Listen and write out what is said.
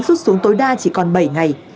rút xuống tối đa chỉ còn bảy ngày